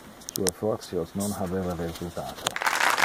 Su effortios non habeva resultato.